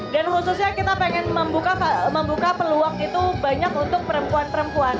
dan khususnya kita ingin membuka peluang itu banyak untuk perempuan perempuan